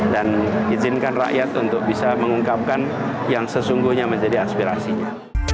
dan izinkan rakyat untuk bisa mengungkapkan yang sesungguhnya menjadi aspirasinya